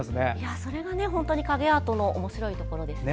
それが影アートのおもしろいところですよね。